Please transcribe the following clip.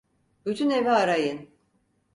Bütün evi arayın!